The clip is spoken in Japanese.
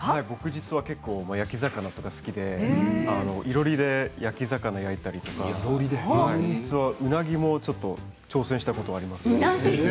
僕は結構焼き魚とか好きでいろりで焼き魚を焼いたりとかうなぎも挑戦したことがあります。